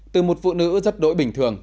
từ một phụ nữ rất đỗi bình thường